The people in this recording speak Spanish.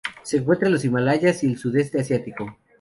Se encuentra en los Himalayas y el sudeste asiático.